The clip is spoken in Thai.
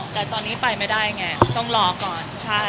แต่ตอนนี้ไปไม่ได้ไงต้องรอก่อนใช่